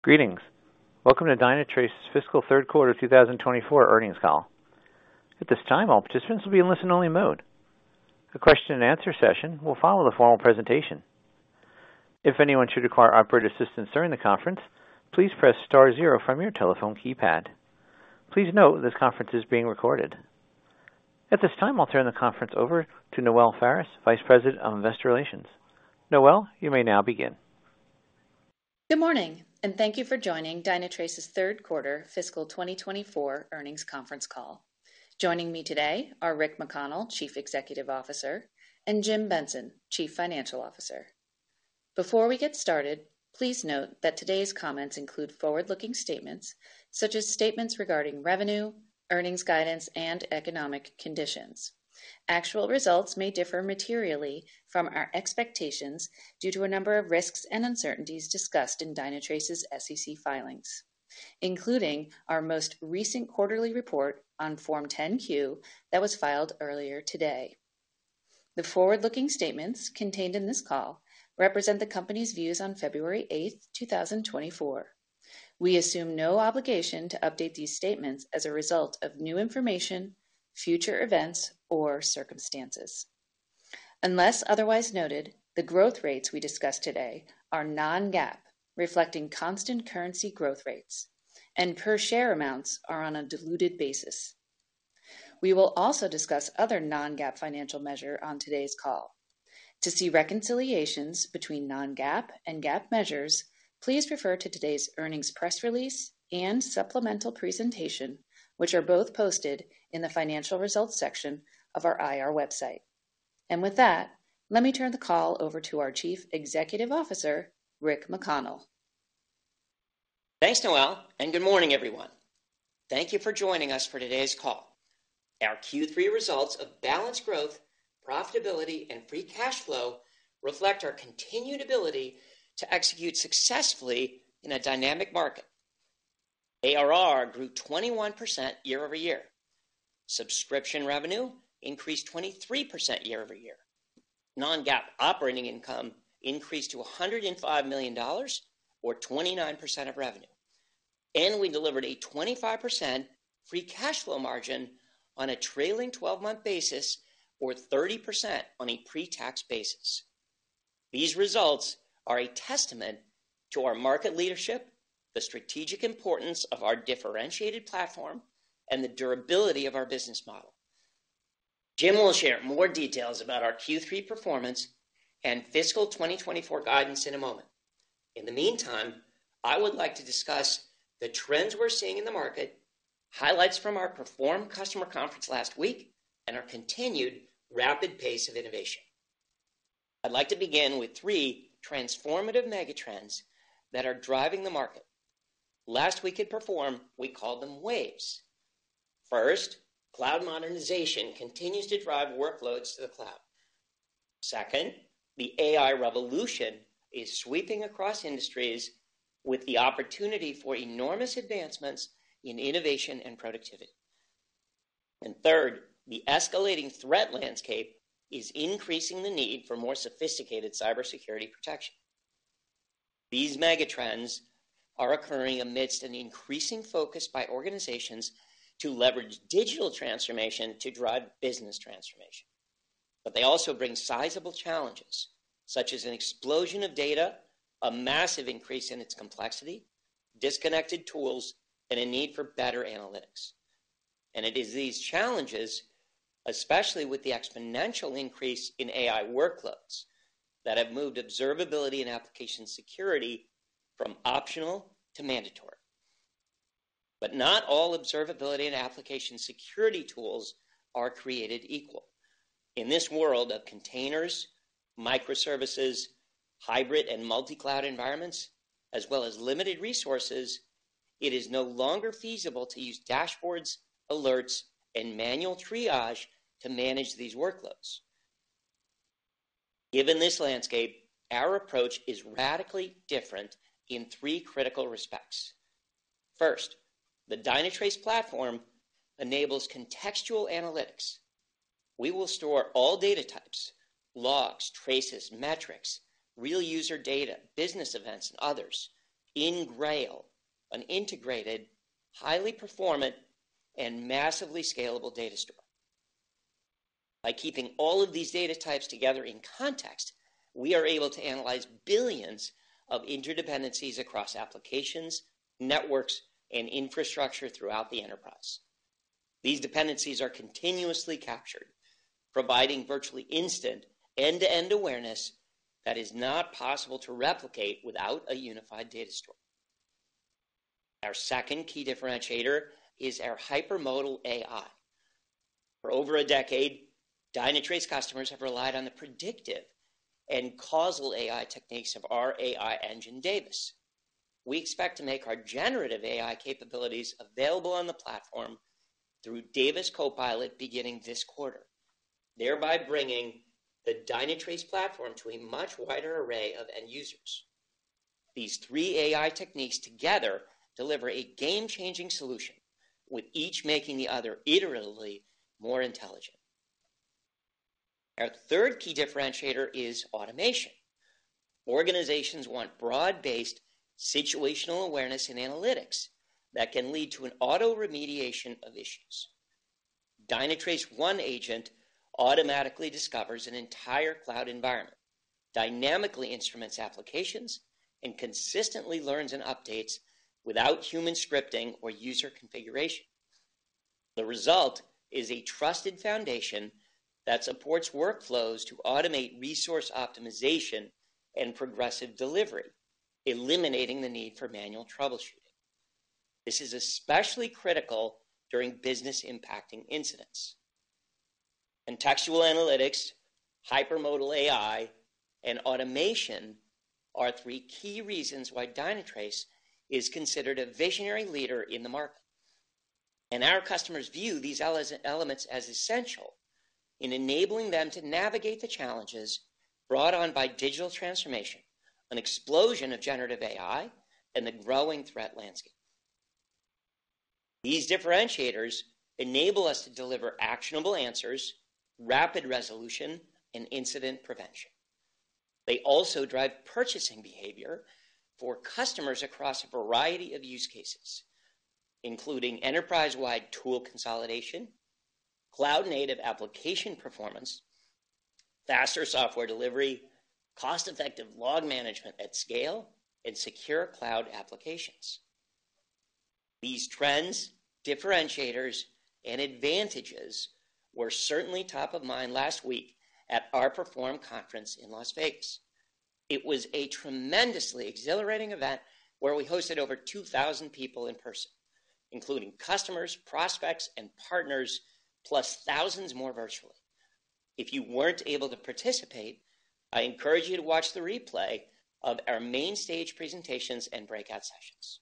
Greetings. Welcome to Dynatrace's Fiscal Third Quarter 2024 Earnings Call. At this time, all participants will be in listen-only mode. A question-and-answer session will follow the formal presentation. If anyone should require operator assistance during the conference, please press star zero from your telephone keypad. Please note, this conference is being recorded. At this time, I'll turn the conference over to Noelle Faris, Vice President of Investor Relations. Noelle, you may now begin. Good morning, and thank you for joining Dynatrace's third quarter fiscal 2024 earnings conference call. Joining me today are Rick McConnell, Chief Executive Officer, and Jim Benson, Chief Financial Officer. Before we get started, please note that today's comments include forward-looking statements, such as statements regarding revenue, earnings guidance, and economic conditions. Actual results may differ materially from our expectations due to a number of risks and uncertainties discussed in Dynatrace's SEC filings, including our most recent quarterly report on Form 10-Q that was filed earlier today. The forward-looking statements contained in this call represent the Company's views on February 8, 2024. We assume no obligation to update these statements as a result of new information, future events, or circumstances. Unless otherwise noted, the growth rates we discuss today are non-GAAP, reflecting constant currency growth rates, and per share amounts are on a diluted basis. We will also discuss other non-GAAP financial measure on today's call. To see reconciliations between non-GAAP and GAAP measures, please refer to today's earnings press release and supplemental presentation, which are both posted in the Financial Results section of our IR website. With that, let me turn the call over to our Chief Executive Officer, Rick McConnell. Thanks, Noelle, and good morning, everyone. Thank you for joining us for today's call. Our Q3 results of balanced growth, profitability, and free cash flow reflect our continued ability to execute successfully in a dynamic market. ARR grew 21% year-over-year. Subscription revenue increased 23% year-over-year. Non-GAAP operating income increased to $105 million or 29% of revenue, and we delivered a 25% free cash flow margin on a trailing 12-month basis, or 30% on a pre-tax basis. These results are a testament to our market leadership, the strategic importance of our differentiated platform, and the durability of our business model. Jim will share more details about our Q3 performance and fiscal 2024 guidance in a moment. In the meantime, I would like to discuss the trends we're seeing in the market, highlights from our Perform customer conference last week, and our continued rapid pace of innovation. I'd like to begin with three transformative megatrends that are driving the market. Last week at Perform, we called them waves. First, cloud modernization continues to drive workloads to the cloud. Second, the AI revolution is sweeping across industries with the opportunity for enormous advancements in innovation and productivity. And third, the escalating threat landscape is increasing the need for more sophisticated cybersecurity protection. These megatrends are occurring amidst an increasing focus by organizations to leverage digital transformation to drive business transformation. But they also bring sizable challenges, such as an explosion of data, a massive increase in its complexity, disconnected tools, and a need for better analytics. It is these challenges, especially with the exponential increase in AI workloads, that have moved observability and application security from optional to mandatory. But not all observability and application security tools are created equal. In this world of containers, microservices, hybrid and multi-cloud environments, as well as limited resources, it is no longer feasible to use dashboards, alerts, and manual triage to manage these workloads. Given this landscape, our approach is radically different in three critical respects. First, the Dynatrace platform enables contextual analytics. We will store all data types, logs, traces, metrics, real user data, business events, and others in Grail, an integrated, highly performant, and massively scalable data store. By keeping all of these data types together in context, we are able to analyze billions of interdependencies across applications, networks, and infrastructure throughout the enterprise. These dependencies are continuously captured, providing virtually instant end-to-end awareness that is not possible to replicate without a unified data store. Our second key differentiator is our Hypermodal AI. For over a decade, Dynatrace customers have relied on the predictive and causal AI techniques of our AI engine, Davis. We expect to make our generative AI capabilities available on the platform through Davis CoPilot beginning this quarter, thereby bringing the Dynatrace platform to a much wider array of end users. These three AI techniques together deliver a game-changing solution, with each making the other iteratively more intelligent... Our third key differentiator is automation. Organizations want broad-based situational awareness and analytics that can lead to an auto remediation of issues. Dynatrace OneAgent automatically discovers an entire cloud environment, dynamically instruments applications, and consistently learns and updates without human scripting or user configuration. The result is a trusted foundation that supports workflows to automate resource optimization and progressive delivery, eliminating the need for manual troubleshooting. This is especially critical during business-impacting incidents. Contextual analytics, Hypermodal AI, and automation are three key reasons why Dynatrace is considered a visionary leader in the market. Our customers view these elements as essential in enabling them to navigate the challenges brought on by digital transformation, an explosion of generative AI, and the growing threat landscape. These differentiators enable us to deliver actionable answers, rapid resolution, and incident prevention. They also drive purchasing behavior for customers across a variety of use cases, including enterprise-wide tool consolidation, cloud-native application performance, faster software delivery, cost-effective log management at scale, and secure cloud applications. These trends, differentiators, and advantages were certainly top of mind last week at our Perform conference in Las Vegas. It was a tremendously exhilarating event where we hosted over 2,000 people in person, including customers, prospects, and partners, plus thousands more virtually. If you weren't able to participate, I encourage you to watch the replay of our main stage presentations and breakout sessions.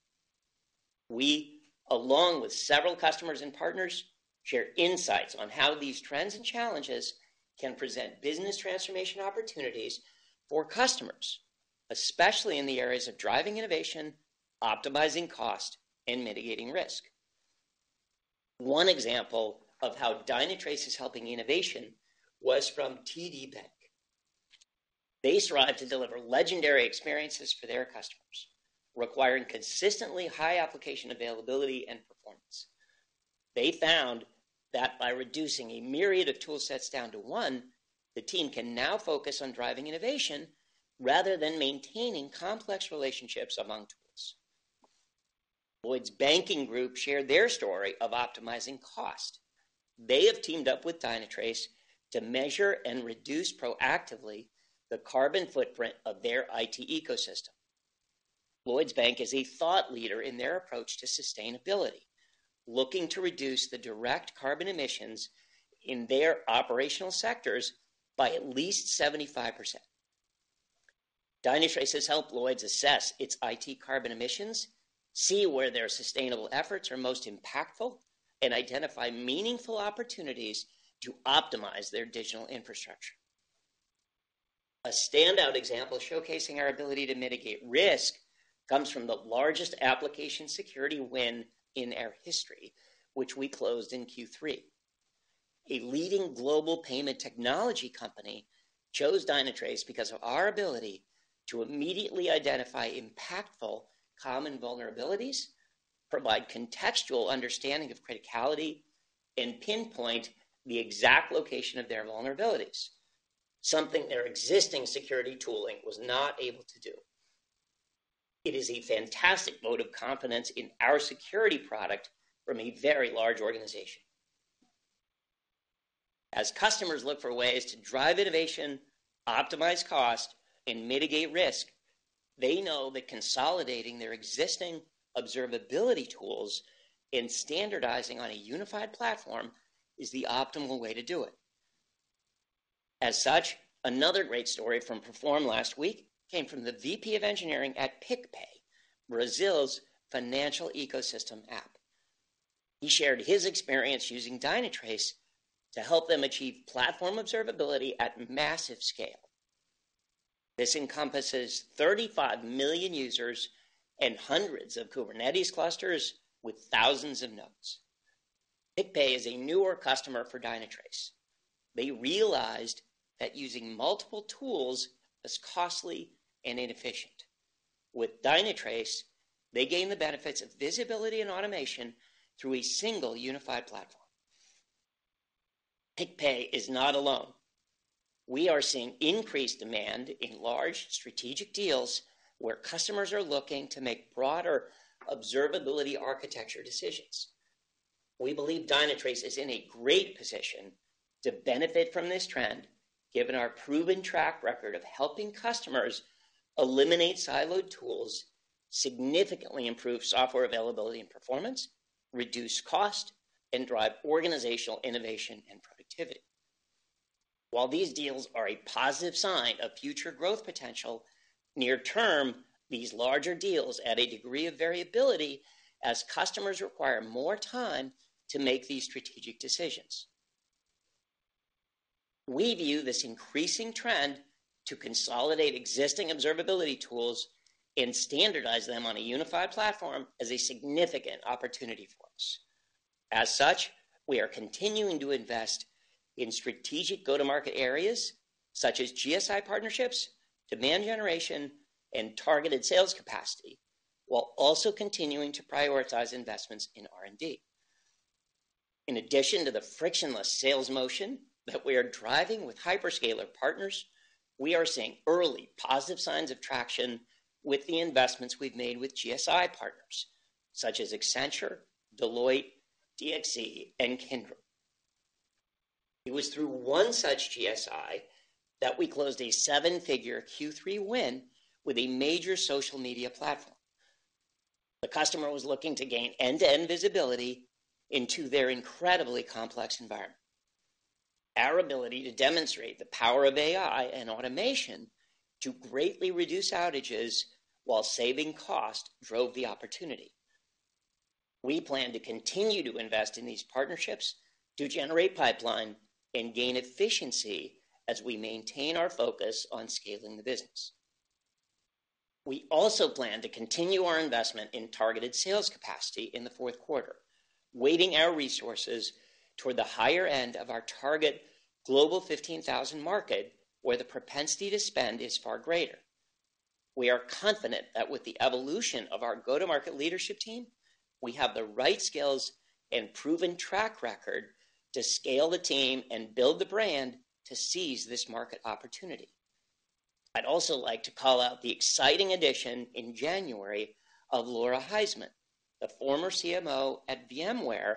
We, along with several customers and partners, shared insights on how these trends and challenges can present business transformation opportunities for customers, especially in the areas of driving innovation, optimizing cost, and mitigating risk. One example of how Dynatrace is helping innovation was from TD Bank. They strive to deliver legendary experiences for their customers, requiring consistently high application availability and performance. They found that by reducing a myriad of tool sets down to one, the team can now focus on driving innovation rather than maintaining complex relationships among tools. Lloyds Banking Group shared their story of optimizing cost. They have teamed up with Dynatrace to measure and reduce proactively the carbon footprint of their IT ecosystem. Lloyds Bank is a thought leader in their approach to sustainability, looking to reduce the direct carbon emissions in their operational sectors by at least 75%. Dynatrace has helped Lloyds assess its IT carbon emissions, see where their sustainable efforts are most impactful, and identify meaningful opportunities to optimize their digital infrastructure. A standout example showcasing our ability to mitigate risk comes from the largest application security win in our history, which we closed in Q3. A leading global payment technology company chose Dynatrace because of our ability to immediately identify impactful common vulnerabilities, provide contextual understanding of criticality, and pinpoint the exact location of their vulnerabilities, something their existing security tooling was not able to do. It is a fantastic vote of confidence in our security product from a very large organization. As customers look for ways to drive innovation, optimize cost, and mitigate risk, they know that consolidating their existing observability tools and standardizing on a unified platform is the optimal way to do it. As such, another great story from Perform last week came from the VP of engineering at PicPay, Brazil's financial ecosystem app. He shared his experience using Dynatrace to help them achieve platform observability at massive scale. This encompasses 35 million users and hundreds of Kubernetes clusters with thousands of nodes. PicPay is a newer customer for Dynatrace. They realized that using multiple tools was costly and inefficient. With Dynatrace, they gain the benefits of visibility and automation through a single unified platform. PicPay is not alone. We are seeing increased demand in large strategic deals, where customers are looking to make broader observability architecture decisions. We believe Dynatrace is in a great position to benefit from this trend, given our proven track record of helping customers eliminate siloed tools, significantly improve software availability and performance, reduce cost, and drive organizational innovation and productivity. While these deals are a positive sign of future growth potential, near term, these larger deals add a degree of variability as customers require more time to make these strategic decisions. We view this increasing trend to consolidate existing observability tools and standardize them on a unified platform as a significant opportunity for us. As such, we are continuing to invest in strategic go-to-market areas such as GSI partnerships, demand generation, and targeted sales capacity, while also continuing to prioritize investments in R&D. In addition to the frictionless sales motion that we are driving with hyperscaler partners, we are seeing early positive signs of traction with the investments we've made with GSI partners such as Accenture, Deloitte, DXC, and Kyndryl. It was through one such GSI that we closed a seven-figure Q3 win with a major social media platform. The customer was looking to gain end-to-end visibility into their incredibly complex environment. Our ability to demonstrate the power of AI and automation to greatly reduce outages while saving cost, drove the opportunity. We plan to continue to invest in these partnerships to generate pipeline and gain efficiency as we maintain our focus on scaling the business. We also plan to continue our investment in targeted sales capacity in the fourth quarter, weighting our resources toward the higher end of our target Global 15,000 market, where the propensity to spend is far greater. We are confident that with the evolution of our go-to-market leadership team, we have the right skills and proven track record to scale the team and build the brand to seize this market opportunity. I'd also like to call out the exciting addition in January of Laura Heisman, the former CMO at VMware,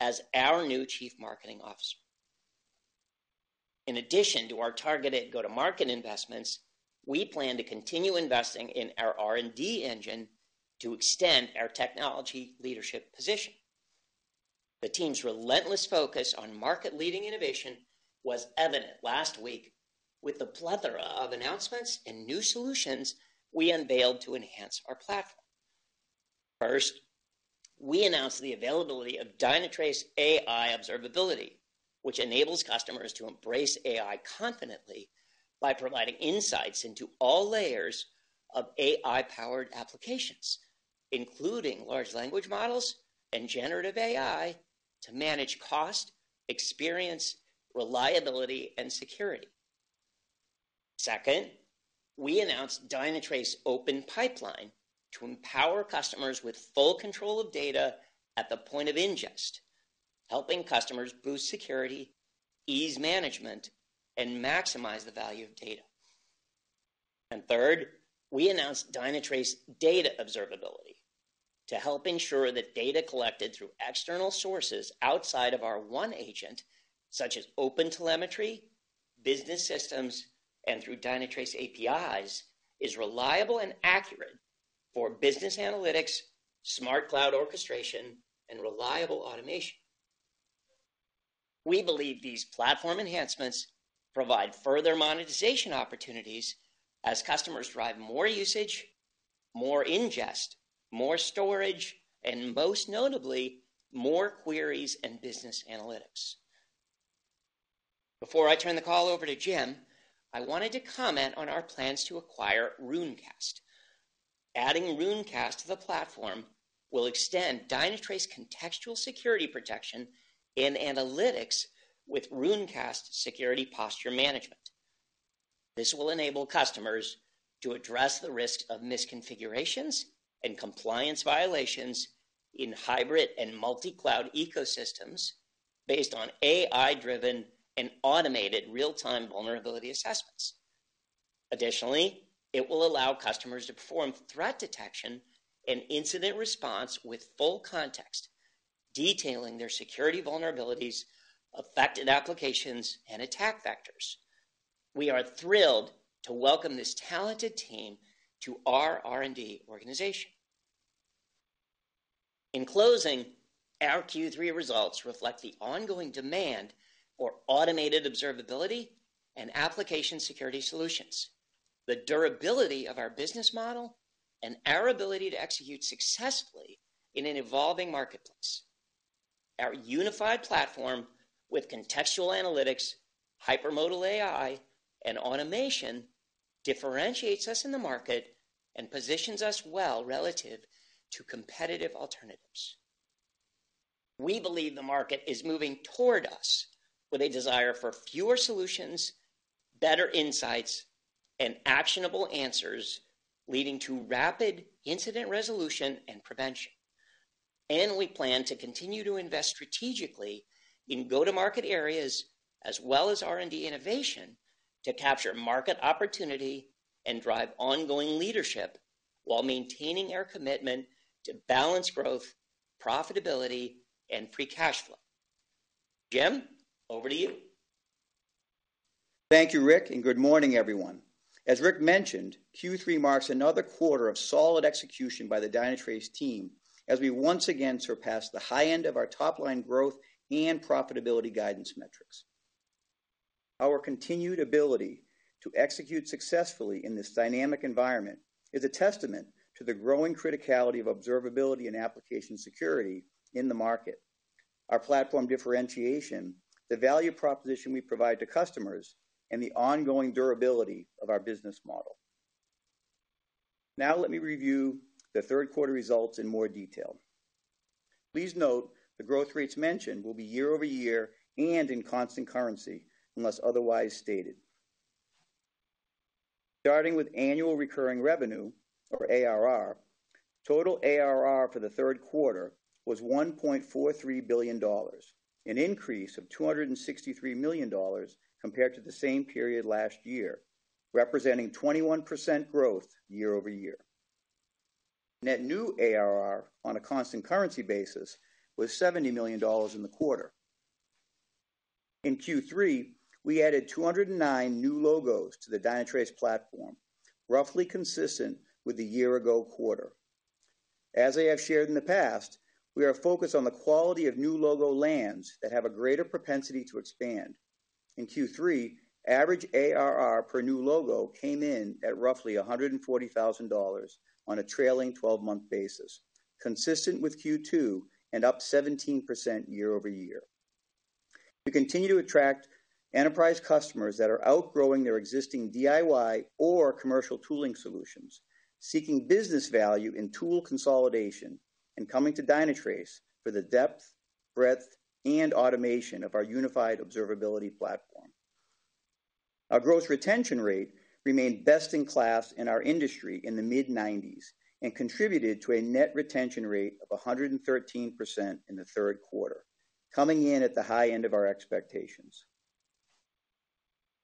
as our new Chief Marketing Officer. In addition to our targeted go-to-market investments, we plan to continue investing in our R&D engine to extend our technology leadership position. The team's relentless focus on market-leading innovation was evident last week with the plethora of announcements and new solutions we unveiled to enhance our platform. First, we announced the availability of Dynatrace AI Observability, which enables customers to embrace AI confidently by providing insights into all layers of AI-powered applications, including large language models and generative AI, to manage cost, experience, reliability, and security. Second, we announced Dynatrace OpenPipeline to empower customers with full control of data at the point of ingest, helping customers boost security, ease management, and maximize the value of data. And third, we announced Dynatrace Data Observability to help ensure that data collected through external sources outside of our OneAgent, such as OpenTelemetry, business systems, and through Dynatrace APIs, is reliable and accurate for business analytics, smart cloud orchestration, and reliable automation. We believe these platform enhancements provide further monetization opportunities as customers drive more usage, more ingest, more storage, and most notably, more queries and business analytics. Before I turn the call over to Jim, I wanted to comment on our plans to acquire Runecast. Adding Runecast to the platform will extend Dynatrace contextual security protection and analytics with Runecast Security Posture Management. This will enable customers to address the risk of misconfigurations and compliance violations in hybrid and multi-cloud ecosystems based on AI-driven and automated real-time vulnerability assessments. Additionally, it will allow customers to perform threat detection and incident response with full context, detailing their security vulnerabilities, affected applications, and attack vectors. We are thrilled to welcome this talented team to our R&D organization. In closing, our Q3 results reflect the ongoing demand for automated observability and application security solutions, the durability of our business model, and our ability to execute successfully in an evolving marketplace. Our unified platform with contextual analytics, Hypermodal AI, and automation differentiates us in the market and positions us well relative to competitive alternatives. We believe the market is moving toward us with a desire for fewer solutions, better insights, and actionable answers, leading to rapid incident resolution and prevention. We plan to continue to invest strategically in go-to-market areas, as well as R&D innovation, to capture market opportunity and drive ongoing leadership while maintaining our commitment to balanced growth, profitability, and free cash flow. Jim, over to you. Thank you, Rick, and good morning, everyone. As Rick mentioned, Q3 marks another quarter of solid execution by the Dynatrace team, as we once again surpassed the high end of our top-line growth and profitability guidance metrics. Our continued ability to execute successfully in this dynamic environment is a testament to the growing criticality of observability and application security in the market, our platform differentiation, the value proposition we provide to customers, and the ongoing durability of our business model. Now let me review the third quarter results in more detail. Please note, the growth rates mentioned will be year-over-year and in constant currency, unless otherwise stated. Starting with annual recurring revenue, or ARR, total ARR for the third quarter was $1.43 billion, an increase of $263 million compared to the same period last year, representing 21% growth year-over-year. Net new ARR on a constant currency basis was $70 million in the quarter. In Q3, we added 209 new logos to the Dynatrace platform, roughly consistent with the year-ago quarter. As I have shared in the past, we are focused on the quality of new logo lands that have a greater propensity to expand. In Q3, average ARR per new logo came in at roughly $140,000 on a trailing 12-month basis, consistent with Q2 and up 17% year-over-year. We continue to attract enterprise customers that are outgrowing their existing DIY or commercial tooling solutions, seeking business value in tool consolidation and coming to Dynatrace for the depth, breadth, and automation of our unified observability platform. Our gross retention rate remained best-in-class in our industry in the mid-90s and contributed to a net retention rate of 113% in the third quarter, coming in at the high end of our expectations.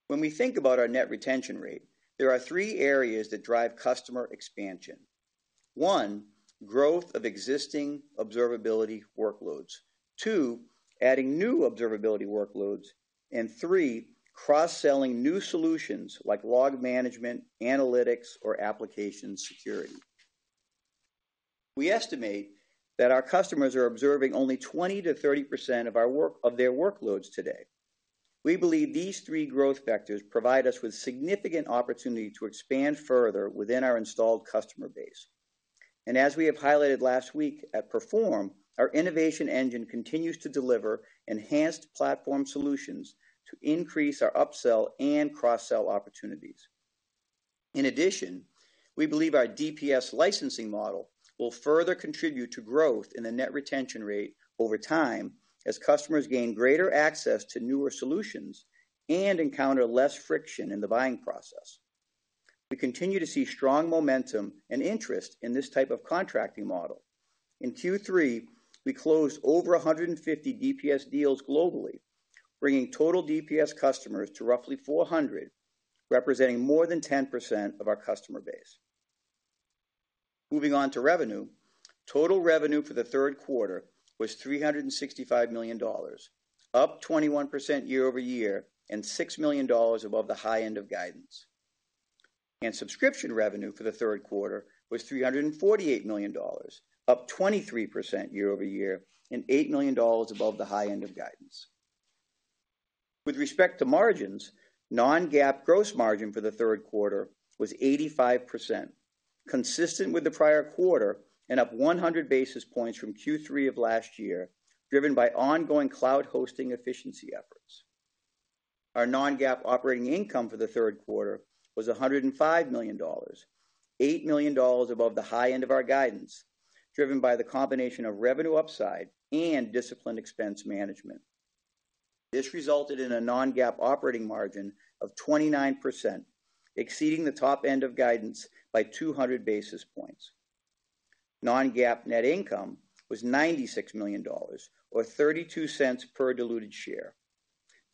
When we think about our net retention rate, there are three areas that drive customer expansion. One, growth of existing observability workloads. Two, adding new observability workloads, and three, cross-selling new solutions like log management, analytics, or application security. We estimate that our customers are observing only 20%-30% of their workloads today. We believe these three growth vectors provide us with significant opportunity to expand further within our installed customer base. As we have highlighted last week at Perform, our innovation engine continues to deliver enhanced platform solutions to increase our upsell and cross-sell opportunities. In addition, we believe our DPS licensing model will further contribute to growth in the net retention rate over time, as customers gain greater access to newer solutions and encounter less friction in the buying process. We continue to see strong momentum and interest in this type of contracting model. In Q3, we closed over 150 DPS deals globally, bringing total DPS customers to roughly 400, representing more than 10% of our customer base. Moving on to revenue. Total revenue for the third quarter was $365 million, up 21% year-over-year, and $6 million above the high end of guidance. Subscription revenue for the third quarter was $348 million, up 23% year-over-year, and $8 million above the high end of guidance. With respect to margins, non-GAAP gross margin for the third quarter was 85%, consistent with the prior quarter and up 100 basis points from Q3 of last year, driven by ongoing cloud hosting efficiency efforts. Our non-GAAP operating income for the third quarter was $105 million, $8 million above the high end of our guidance, driven by the combination of revenue upside and disciplined expense management. This resulted in a non-GAAP operating margin of 29%, exceeding the top end of guidance by 200 basis points. Non-GAAP net income was $96 million, or $0.32 per diluted share.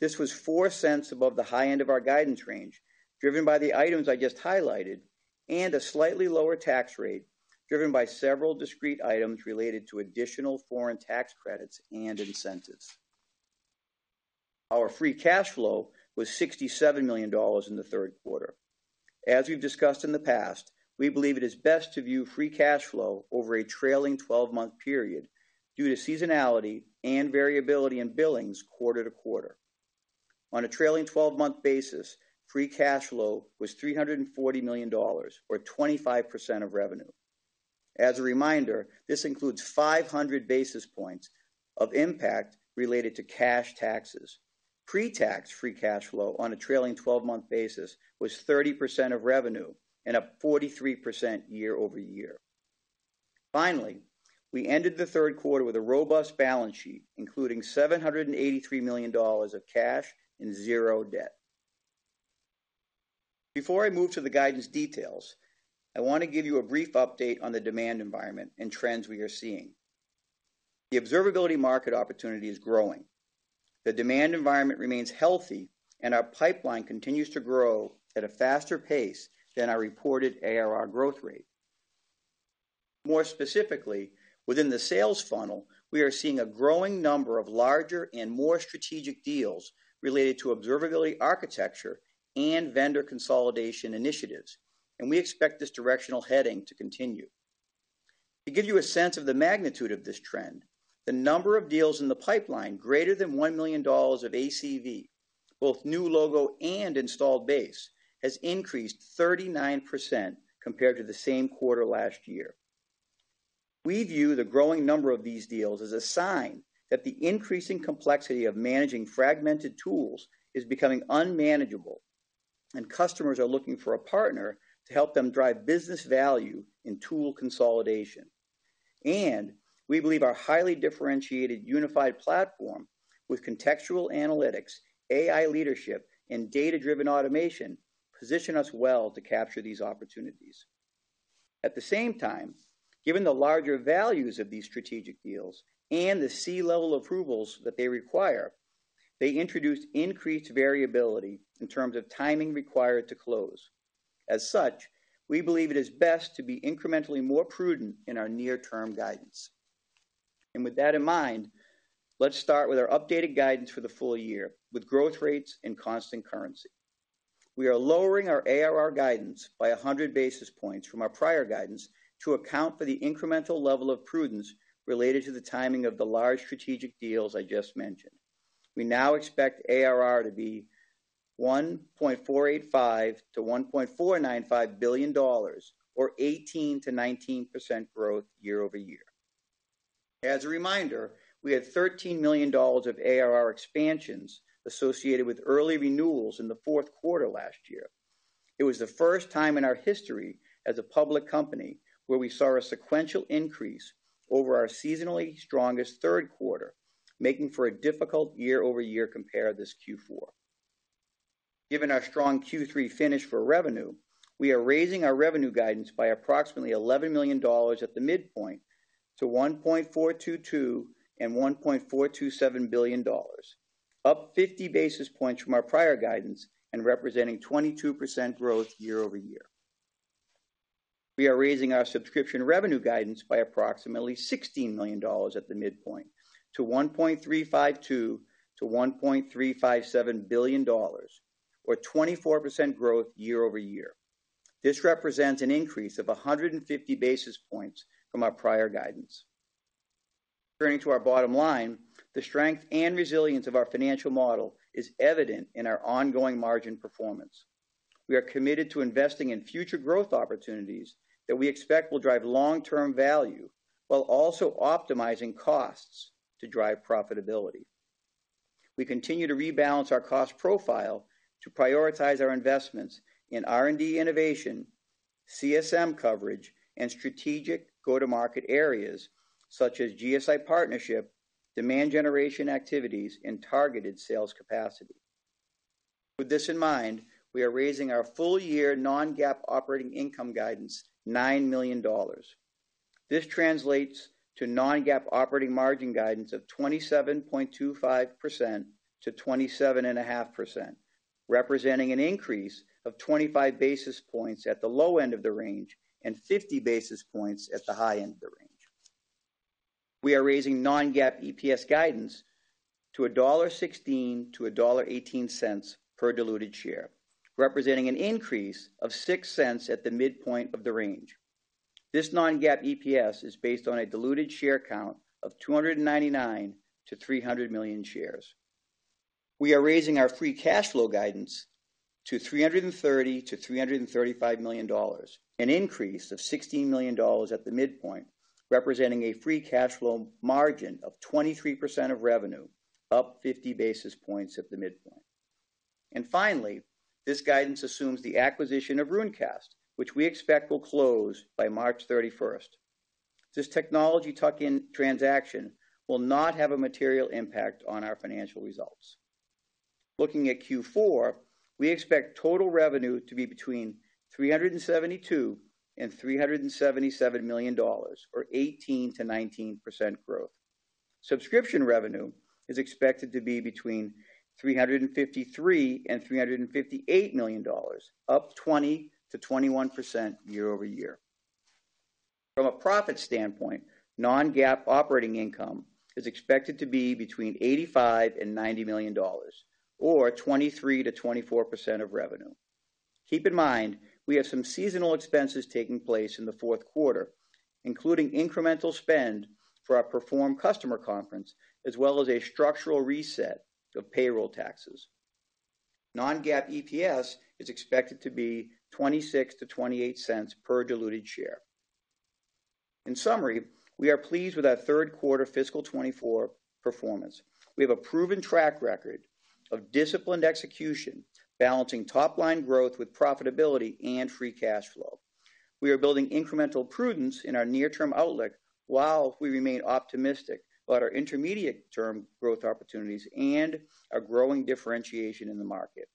This was $0.04 above the high end of our guidance range, driven by the items I just highlighted, and a slightly lower tax rate, driven by several discrete items related to additional foreign tax credits and incentives. Our free cash flow was $67 million in the third quarter. As we've discussed in the past, we believe it is best to view free cash flow over a trailing 12-month period due to seasonality and variability in billings quarter to quarter. On a trailing 12-month basis, free cash flow was $340 million, or 25% of revenue. As a reminder, this includes 500 basis points of impact related to cash taxes. Pre-tax free cash flow on a trailing 12-month basis was 30% of revenue and up 43% year-over-year. Finally, we ended the third quarter with a robust balance sheet, including $783 million of cash and zero debt. Before I move to the guidance details, I want to give you a brief update on the demand environment and trends we are seeing. The observability market opportunity is growing. The demand environment remains healthy, and our pipeline continues to grow at a faster pace than our reported ARR growth rate. More specifically, within the sales funnel, we are seeing a growing number of larger and more strategic deals related to observability, architecture, and vendor consolidation initiatives, and we expect this directional heading to continue. To give you a sense of the magnitude of this trend, the number of deals in the pipeline greater than $1 million of ACV, both new logo and installed base, has increased 39% compared to the same quarter last year. We view the growing number of these deals as a sign that the increasing complexity of managing fragmented tools is becoming unmanageable, and customers are looking for a partner to help them drive business value in tool consolidation. We believe our highly differentiated, unified platform with contextual analytics, AI leadership, and data-driven automation, position us well to capture these opportunities. At the same time, given the larger values of these strategic deals and the C-level approvals that they require, they introduce increased variability in terms of timing required to close. As such, we believe it is best to be incrementally more prudent in our near-term guidance. With that in mind, let's start with our updated guidance for the full year, with growth rates and constant currency. We are lowering our ARR guidance by 100 basis points from our prior guidance to account for the incremental level of prudence related to the timing of the large strategic deals I just mentioned. We now expect ARR to be $1.485 billion-$1.495 billion, or 18%-19% growth year over year. As a reminder, we had $13 million of ARR expansions associated with early renewals in the fourth quarter last year. It was the first time in our history as a public company where we saw a sequential increase over our seasonally strongest third quarter, making for a difficult year-over-year compare this Q4. Given our strong Q3 finish for revenue, we are raising our revenue guidance by approximately $11 million at the midpoint to $1.422 billion-$1.427 billion, up 50 basis points from our prior guidance and representing 22% growth year over year. We are raising our subscription revenue guidance by approximately $16 million at the midpoint to $1.352 billion-$1.357 billion, or 24% growth year-over-year. This represents an increase of 150 basis points from our prior guidance. Turning to our bottom line, the strength and resilience of our financial model is evident in our ongoing margin performance. We are committed to investing in future growth opportunities that we expect will drive long-term value, while also optimizing costs to drive profitability. We continue to rebalance our cost profile to prioritize our investments in R&D innovation, CSM coverage, and strategic go-to-market areas, such as GSI partnership, demand generation activities, and targeted sales capacity. With this in mind, we are raising our full-year non-GAAP operating income guidance $9 million. This translates to non-GAAP operating margin guidance of 27.25%-27.5%, representing an increase of 25 basis points at the low end of the range and 50 basis points at the high end of the range. We are raising non-GAAP EPS guidance to $1.16-$1.18 per diluted share, representing an increase of $0.06 at the midpoint of the range. This non-GAAP EPS is based on a diluted share count of 299 million-300 million shares. We are raising our free cash flow guidance to $330 million-$335 million, an increase of $16 million at the midpoint, representing a free cash flow margin of 23% of revenue, up 50 basis points at the midpoint. Finally, this guidance assumes the acquisition of Runecast, which we expect will close by March 31st. This technology tuck-in transaction will not have a material impact on our financial results. Looking at Q4, we expect total revenue to be between $372 million-$377 million, or 18%-19% growth. Subscription revenue is expected to be between $353 million and $358 million, up 20%-21% year-over-year. From a profit standpoint, non-GAAP operating income is expected to be between $85 million and $90 million or 23%-24% of revenue. Keep in mind, we have some seasonal expenses taking place in the fourth quarter, including incremental spend for our Perform customer conference, as well as a structural reset of payroll taxes. Non-GAAP EPS is expected to be $0.26-$0.28 per diluted share. In summary, we are pleased with our third quarter fiscal 2024 performance. We have a proven track record of disciplined execution, balancing top-line growth with profitability and free cash flow. We are building incremental prudence in our near-term outlook, while we remain optimistic about our intermediate-term growth opportunities and a growing differentiation in the market.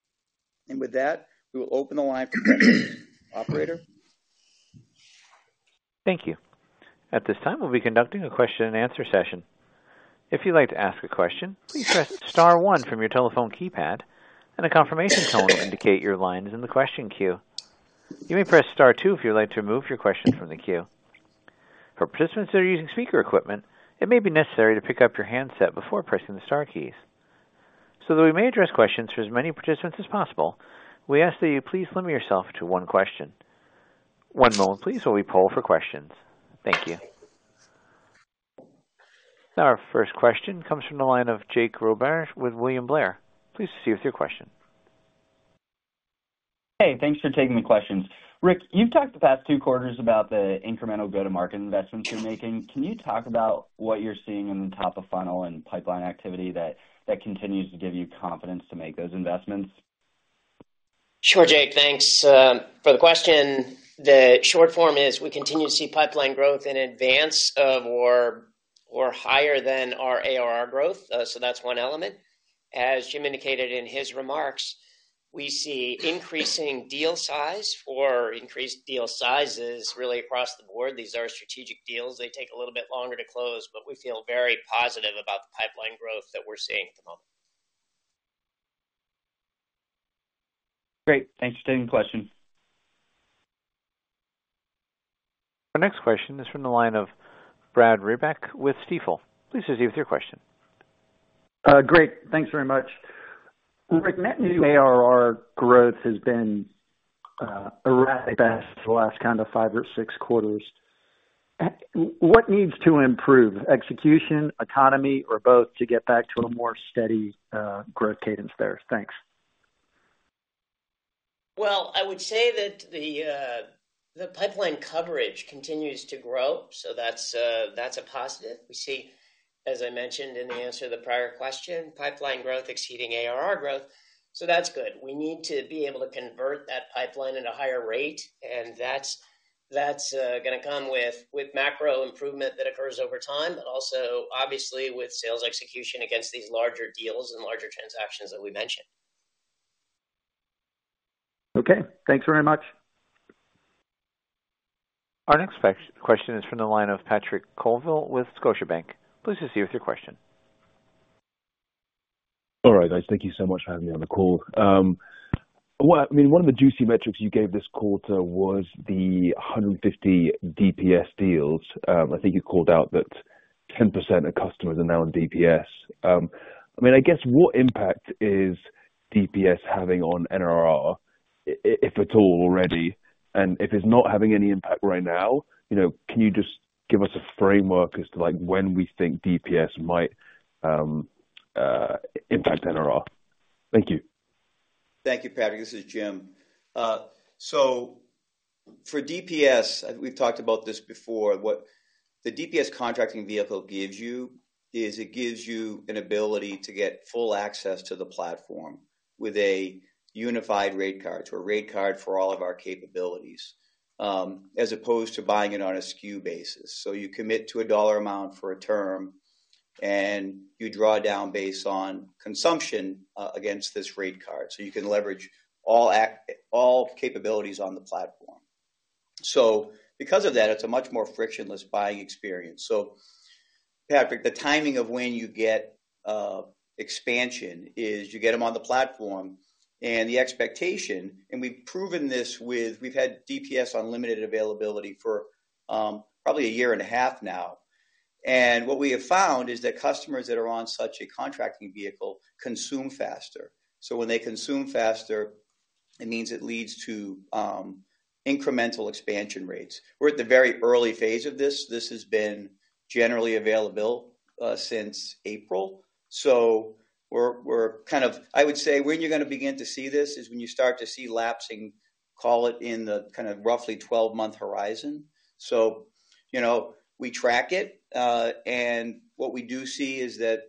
And with that, we will open the line for questions. Operator? Thank you. At this time, we'll be conducting a question and answer session. If you'd like to ask a question, please press star one from your telephone keypad, and a confirmation tone will indicate your line is in the question queue. You may press star two if you'd like to remove your question from the queue. For participants that are using speaker equipment, it may be necessary to pick up your handset before pressing the star keys. So that we may address questions to as many participants as possible, we ask that you please limit yourself to one question. One moment, please, while we poll for questions. Thank you. Our first question comes from the line of Jake Roberge with William Blair. Please proceed with your question. Hey, thanks for taking the questions. Rick, you've talked the past two quarters about the incremental go-to-market investments you're making. Can you talk about what you're seeing in the top of funnel and pipeline activity that continues to give you confidence to make those investments? Sure, Jake, thanks for the question. The short form is we continue to see pipeline growth in advance of or higher than our ARR growth. So that's one element. As Jim indicated in his remarks, we see increasing deal size or increased deal sizes really across the board. These are strategic deals. They take a little bit longer to close, but we feel very positive about the pipeline growth that we're seeing at the moment. Great. Thanks for taking the question. Our next question is from the line of Brad Reback with Stifel. Please proceed with your question. Great. Thanks very much. Rick, net new ARR growth has been erratic at best the last kind of five or six quarters. What needs to improve: execution, economy, or both, to get back to a more steady growth cadence there? Thanks. Well, I would say that the pipeline coverage continues to grow, so that's a positive. We see, as I mentioned in the answer to the prior question, pipeline growth exceeding ARR growth, so that's good. We need to be able to convert that pipeline at a higher rate, and that's gonna come with macro improvement that occurs over time, but also obviously with sales execution against these larger deals and larger transactions that we mentioned. Okay, thanks very much. Our next question is from the line of Patrick Colville with Scotiabank. Please proceed with your question. All right, guys, thank you so much for having me on the call. Well, I mean, one of the juicy metrics you gave this quarter was the 150 DPS deals. I think you called out that 10% of customers are now on DPS. I mean, I guess, what impact is DPS having on NRR, if at all, already? And if it's not having any impact right now, you know, can you just give us a framework as to like when we think DPS might impact NRR? Thank you. Thank you, Patrick. This is Jim. So for DPS, we've talked about this before, what the DPS contracting vehicle gives you, is it gives you an ability to get full access to the platform with a unified rate card or rate card for all of our capabilities, as opposed to buying it on a SKU basis. So you commit to a dollar amount for a term, and you draw down based on consumption, against this rate card. So you can leverage all capabilities on the platform. So because of that, it's a much more frictionless buying experience. So Patrick, the timing of when you get expansion is you get them on the platform, and the expectation, and we've proven this with... We've had DPS on limited availability for, probably a year and a half now. What we have found is that customers that are on such a contracting vehicle consume faster. So when they consume faster, it means it leads to incremental expansion rates. We're at the very early phase of this. This has been generally available since April. So we're kind of. I would say when you're gonna begin to see this is when you start to see lapsing, call it in the kind of roughly 12-month horizon. So, you know, we track it, and what we do see is that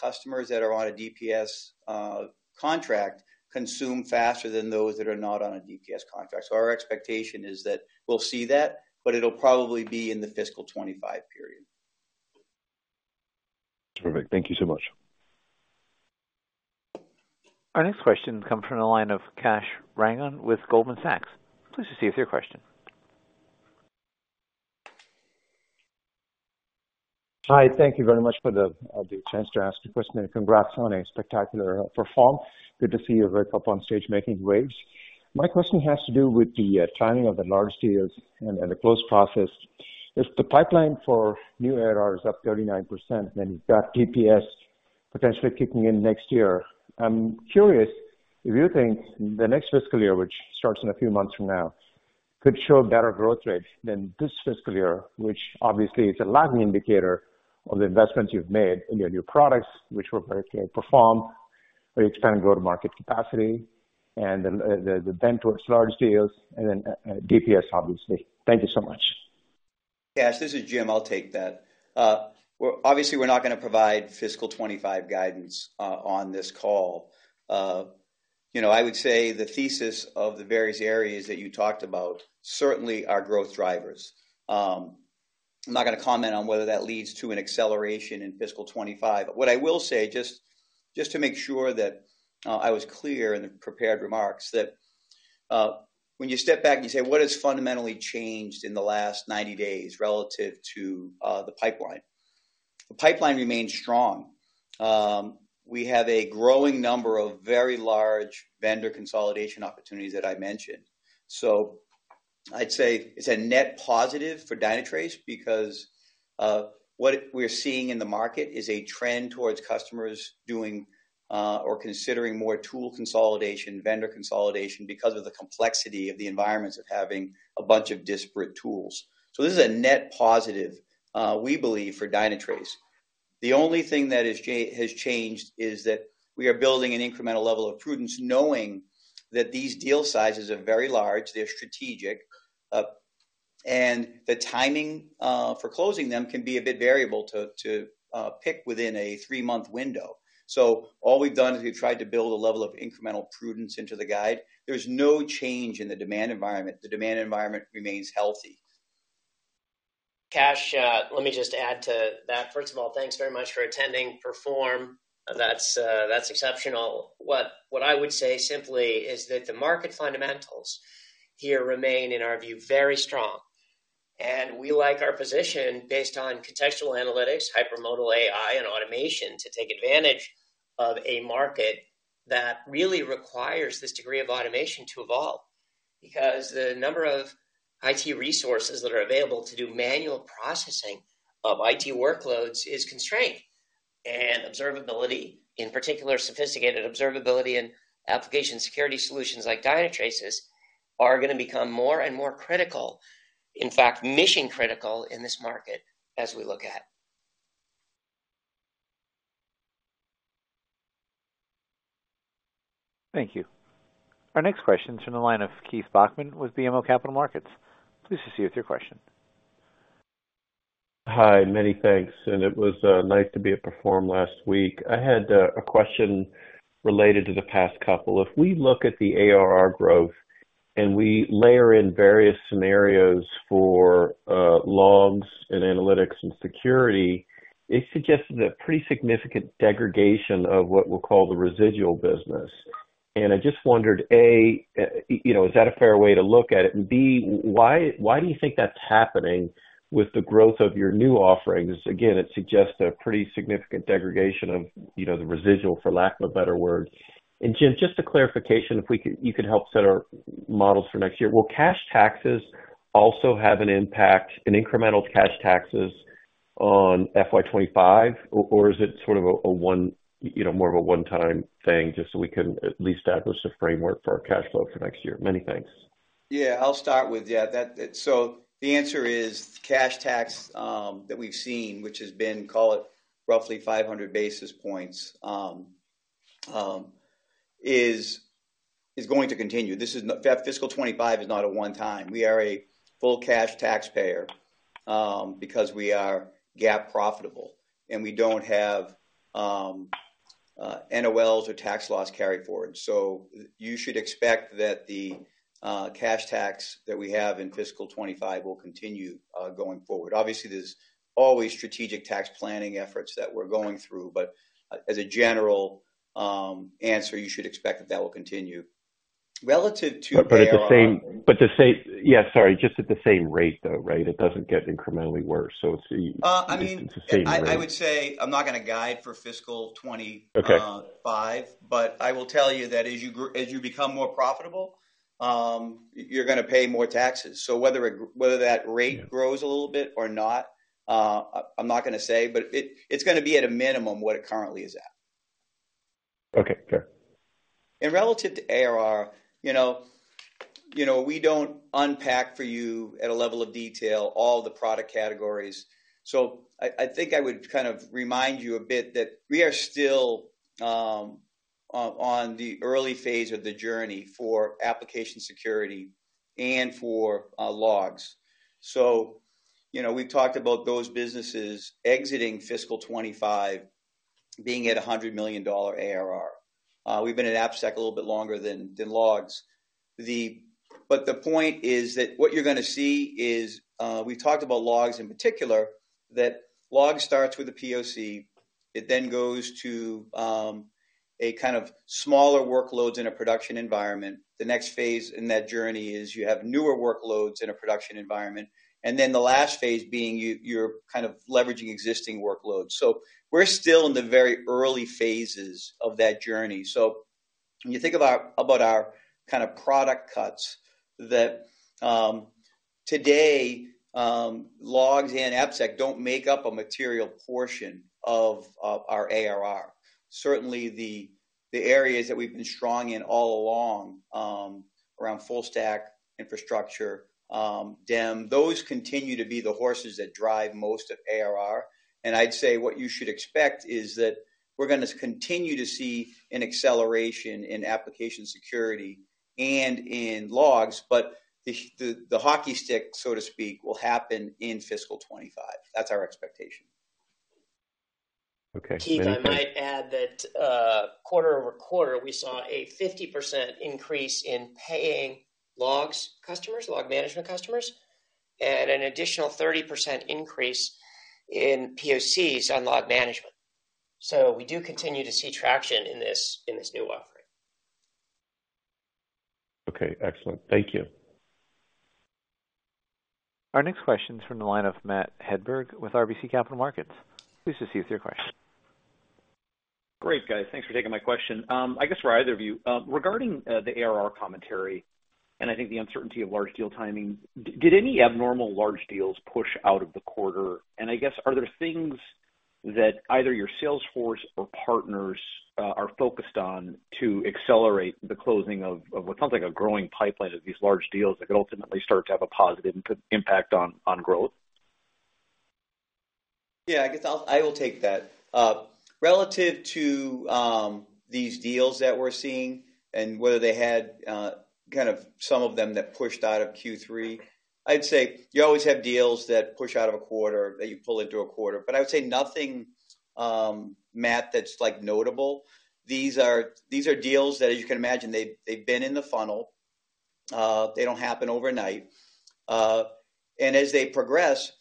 customers that are on a DPS contract consume faster than those that are not on a DPS contract. So our expectation is that we'll see that, but it'll probably be in the fiscal 2025 period. Perfect. Thank you so much. Our next question comes from the line of Kash Rangan with Goldman Sachs. Please proceed with your question. Hi, thank you very much for the chance to ask a question, and congrats on a spectacular performance. Good to see you, Rick, up on stage making waves. My question has to do with the timing of the large deals and the close process. If the pipeline for new ARR is up 39%, then you've got DPS potentially kicking in next year. I'm curious if you think the next fiscal year, which starts in a few months from now, could show a better growth rate than this fiscal year, which obviously is a lagging indicator of the investments you've made in your new products, which were very well performed, but you expanded go-to-market capacity and then the vent towards large deals and then DPS, obviously. Thank you so much. Kash, this is Jim. I'll take that. Well, obviously, we're not gonna provide fiscal 2025 guidance on this call. You know, I would say the thesis of the various areas that you talked about certainly are growth drivers. I'm not gonna comment on whether that leads to an acceleration in fiscal 2025. But what I will say, just, just to make sure that I was clear in the prepared remarks, that when you step back and you say: What has fundamentally changed in the last 90 days relative to the pipeline? The pipeline remains strong. We have a growing number of very large vendor consolidation opportunities that I mentioned. So I'd say it's a net positive for Dynatrace because, we're seeing in the market is a trend towards customers doing, or considering more tool consolidation, vendor consolidation, because of the complexity of the environments of having a bunch of disparate tools. So this is a net positive, we believe, for Dynatrace. The only thing that has changed is that we are building an incremental level of prudence, knowing that these deal sizes are very large, they're strategic, and the timing, for closing them can be a bit variable to pick within a three-month window. So all we've done is we've tried to build a level of incremental prudence into the guide. There's no change in the demand environment. The demand environment remains healthy. Kash, let me just add to that. First of all, thanks very much for attending Perform. That's that's exceptional. What, what I would say simply is that the market fundamentals here remain, in our view, very strong. We like our position based on contextual analytics, Hypermodal AI, and automation to take advantage of a market that really requires this degree of automation to evolve. Because the number of IT resources that are available to do manual processing of IT workloads is constrained, and observability, in particular, sophisticated observability and application security solutions like Dynatrace's, are gonna become more and more critical, in fact, mission-critical in this market as we look at it. Thank you. Our next question is from the line of Keith Bachman with BMO Capital Markets. Please proceed with your question. Hi, many thanks. It was nice to be at Perform last week. I had a question related to the past couple. If we look at the ARR growth, and we layer in various scenarios for logs and Analytics and security, it suggested a pretty significant degradation of what we'll call the residual business. I just wondered, A, you know, is that a fair way to look at it? And B, why do you think that's happening with the growth of your new offerings? Again, it suggests a pretty significant degradation of, you know, the residual, for lack of a better word. Jim, just a clarification, if we could, you could help set our models for next year: Will cash taxes also have an impact, an incremental cash taxes on FY 2025, or, or is it sort of a, a one, you know, more of a one-time thing, just so we can at least establish a framework for our cash flow for next year? Many thanks. Yeah, I'll start with that. So the answer is cash tax that we've seen, which has been, call it, roughly 500 basis points, is going to continue. This is not. Fiscal 2025 is not a one time. We are a full cash taxpayer because we are GAAP profitable, and we don't have NOLs or tax loss carryforward. So you should expect that the cash tax that we have in fiscal 2025 will continue going forward. Obviously, there's always strategic tax planning efforts that we're going through, but as a general answer, you should expect that that will continue. Relative to- But the same. Yeah, sorry, just at the same rate, though, right? It doesn't get incrementally worse, so it's just the same rate. I mean, I would say I'm not gonna guide for fiscal 2025, Okay But I will tell you that as you become more profitable, you're gonna pay more taxes. So whether it, whether that rate grows a little bit or not, I'm not gonna say, but it, it's gonna be at a minimum what it currently is at. Okay, fair. Relative to ARR, you know, we don't unpack for you at a level of detail all the product categories. So I think I would kind of remind you a bit that we are still on the early phase of the journey for application security and for logs. So, you know, we've talked about those businesses exiting fiscal 2025, being at $100 million ARR. We've been at AppSec a little bit longer than Logs. But the point is that what you're gonna see is we've talked about Logs in particular, that Logs starts with a POC. It then goes to a kind of smaller workloads in a production environment. The next phase in that journey is you have newer workloads in a production environment, and then the last phase being you're kind of leveraging existing workloads. So we're still in the very early phases of that journey. So when you think about our kind of product cuts, that today Logs and AppSec don't make up a material portion of our ARR. Certainly, the areas that we've been strong in all along around full stack infrastructure, DEM, those continue to be the horses that drive most of ARR. And I'd say what you should expect is that we're gonna continue to see an acceleration in application security and in Logs, but the hockey stick, so to speak, will happen in fiscal 2025. That's our expectation. Okay. Keith, I might add that, quarter-over-quarter, we saw a 50% increase in paying Log Management customers, and an additional 30% increase in POCs on Log Management. So we do continue to see traction in this, in this new offering. Okay, excellent. Thank you. Our next question is from the line of Matt Hedberg with RBC Capital Markets. Please proceed with your question. Great, guys. Thanks for taking my question. I guess for either of you, regarding the ARR commentary, and I think the uncertainty of large deal timing, did any abnormal large deals push out of the quarter? And I guess, are there things that either your sales force or partners are focused on to accelerate the closing of what sounds like a growing pipeline of these large deals that could ultimately start to have a positive impact on growth?... Yeah, I guess I will take that. Relative to these deals that we're seeing and whether they had kind of some of them that pushed out of Q3, I'd say you always have deals that push out of a quarter, that you pull into a quarter. But I would say nothing, Matt, that's like notable. These are, these are deals that, as you can imagine, they've, they've been in the funnel. They don't happen overnight. And as they progress,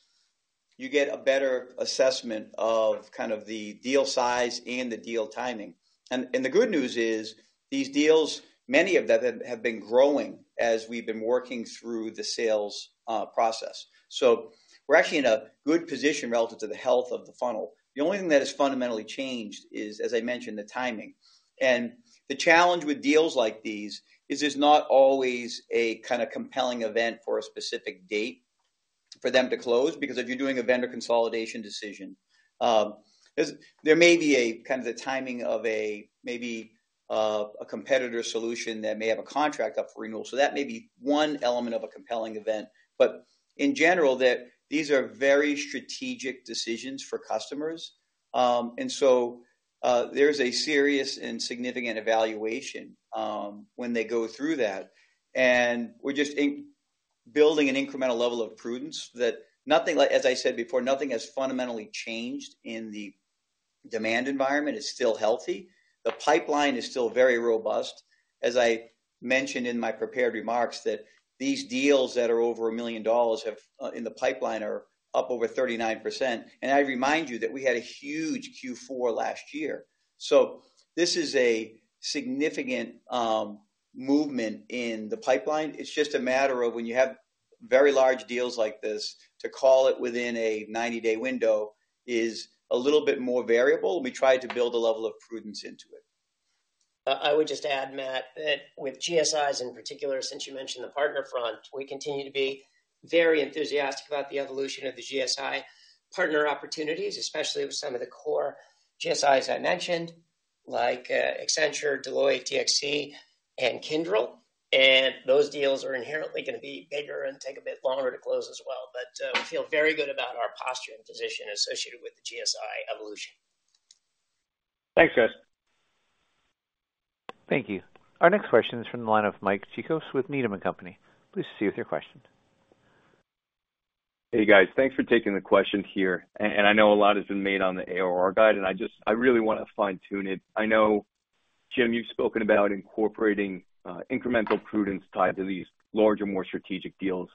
you get a better assessment of kind of the deal size and the deal timing. And the good news is, these deals, many of them have, have been growing as we've been working through the sales process. So we're actually in a good position relative to the health of the funnel. The only thing that has fundamentally changed is, as I mentioned, the timing. And the challenge with deals like these is there's not always a kinda compelling event for a specific date for them to close, because if you're doing a vendor consolidation decision, there's there may be a kind of the timing of a maybe a competitor solution that may have a contract up for renewal. So that may be one element of a compelling event. But in general, that these are very strategic decisions for customers. And so, there's a serious and significant evaluation, when they go through that. And we're just in building an incremental level of prudence, that nothing like... As I said before, nothing has fundamentally changed in the demand environment, it's still healthy. The pipeline is still very robust. As I mentioned in my prepared remarks, that these deals that are over $1 million have in the pipeline, are up over 39%. I remind you that we had a huge Q4 last year. This is a significant movement in the pipeline. It's just a matter of when you have very large deals like this, to call it within a 90-day window is a little bit more variable. We try to build a level of prudence into it. I would just add, Matt, that with GSIs in particular, since you mentioned the partner front, we continue to be very enthusiastic about the evolution of the GSI partner opportunities, especially with some of the core GSIs I mentioned, like, Accenture, Deloitte, DXC, and Kyndryl. And those deals are inherently gonna be bigger and take a bit longer to close as well. But, we feel very good about our posture and position associated with the GSI evolution. Thanks, guys. Thank you. Our next question is from the line of Mike Cikos with Needham and Company. Please proceed with your question. Hey, guys. Thanks for taking the question here. And I know a lot has been made on the ARR guide, and I just, I really want to fine-tune it. I know, Jim, you've spoken about incorporating incremental prudence tied to these larger, more strategic deals.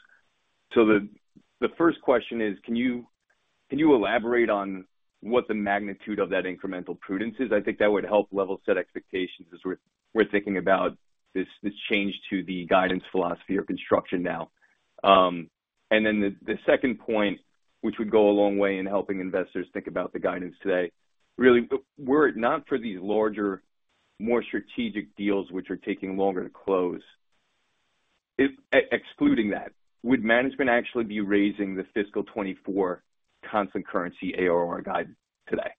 So the first question is: can you elaborate on what the magnitude of that incremental prudence is? I think that would help level set expectations as we're thinking about this change to the guidance philosophy or construction now. And then the second point, which would go a long way in helping investors think about the guidance today, really, were it not for these larger, more strategic deals, which are taking longer to close, excluding that, would management actually be raising the fiscal 2024 constant currency ARR guide today?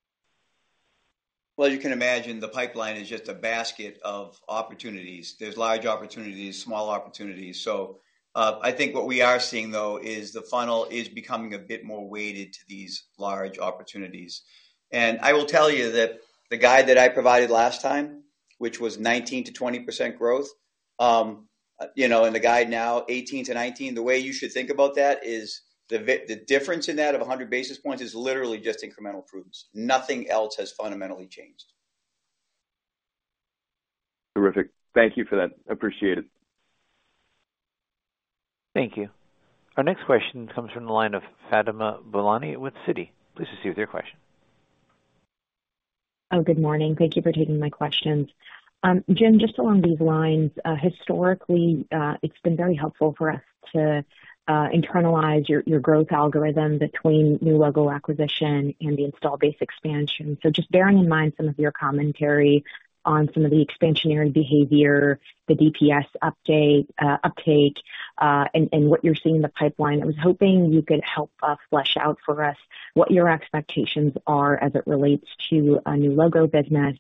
Well, you can imagine, the pipeline is just a basket of opportunities. There's large opportunities, small opportunities. So, I think what we are seeing, though, is the funnel is becoming a bit more weighted to these large opportunities. And I will tell you that the guide that I provided last time, which was 19%-20% growth, you know, and the guide now 18%-19%, the way you should think about that is the difference in that of 100 basis points is literally just incremental prudence. Nothing else has fundamentally changed. Terrific. Thank you for that. Appreciate it. Thank you. Our next question comes from the line of Fatima Boolani with Citi. Please proceed with your question. Oh, good morning. Thank you for taking my questions. Jim, just along these lines, historically, it's been very helpful for us to internalize your growth algorithm between new logo acquisition and the install base expansion. So just bearing in mind some of your commentary on some of the expansionary behavior, the DPS uptake, and what you're seeing in the pipeline, I was hoping you could help flesh out for us what your expectations are as it relates to a new logo business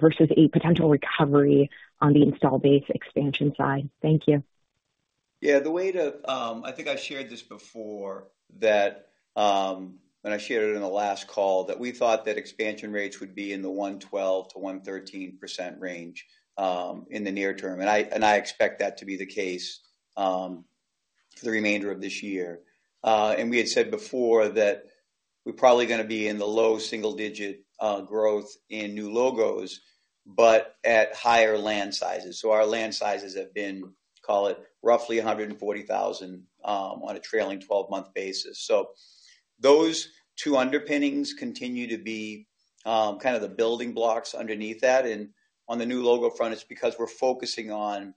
versus a potential recovery on the install base expansion side. Thank you. Yeah, the way to... I think I shared this before, that, and I shared it in the last call, that we thought that expansion rates would be in the 112%-113% range, in the near term. And I expect that to be the case, for the remainder of this year. And we had said before that we're probably gonna be in the low single digit growth in new logos, but at higher land sizes. So our land sizes have been, call it, roughly $140,000, on a trailing 12-month basis. So those two underpinnings continue to be, kind of the building blocks underneath that. And on the new logo front, it's because we're focusing on